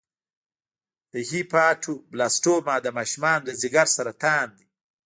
د هیپاټوبلاسټوما د ماشومانو د ځګر سرطان دی.